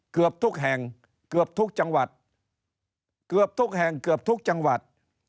เกือบทุกแห่งเกือบทุกจังหวัด